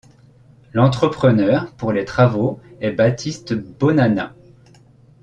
L'entrepreneur pour les travaux est Baptiste Bonanat.